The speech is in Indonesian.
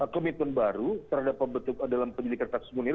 komitmen baru terhadap dalam penduduk kertas munir